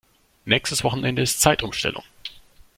Nächstes Wochenende ist Zeitumstellung.